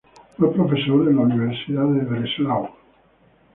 Fue profesor en al Universidad de Breslau.